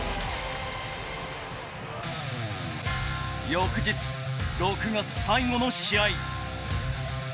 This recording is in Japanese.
翌日６月最後の試合。